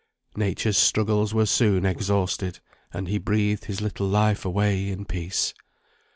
Nature's struggles were soon exhausted, and he breathed his little life away in peace.